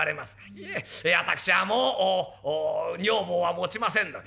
「いえ私はもう女房は持ちませんので」。